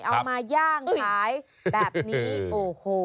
มาย่างขายแบบนี้โอ้โห